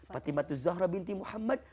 fatimah zahra binti muhammad